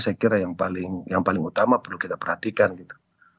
saya kira yang paling utama perlu kita perhatikan gitu